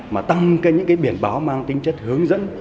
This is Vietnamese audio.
mà tăng những cái biển báo mang tính chất hướng dẫn